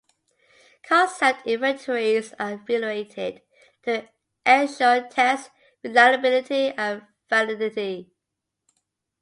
Concept inventories are evaluated to ensure test reliability and validity.